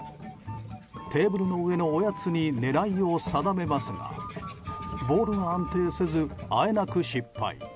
テーブルの上のおやつに狙いを定めますがボールが安定せずあえなく失敗。